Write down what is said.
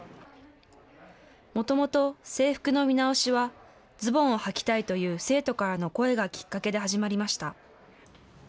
もともと制服の見直しは、ズボンをはきたいという生徒からの声がきっかけで始まりました。